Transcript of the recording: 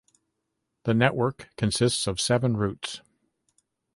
The network consists of seven routes.